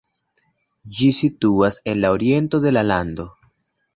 Ĝi situas en la oriento de la lando.